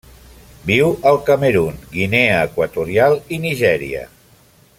Viu al Camerun, Guinea Equatorial i Nigèria.